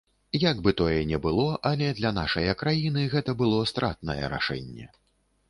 Як бы тое не было, але для нашае краіны гэта было стратнае рашэнне.